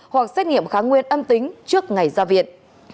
hoặc xét nghiệm kháng nguyên âm tính trước ngày ra viện